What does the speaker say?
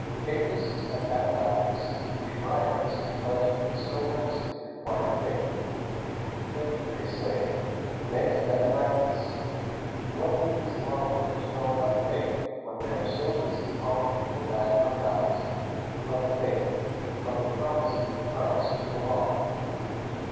Papists and Anabaptists deride us because we so earnestly require faith. "Faith," they say, "makes men reckless." What do these law workers know about faith, when they are so busy calling people back from baptism, from faith, from the promises of Christ to the Law?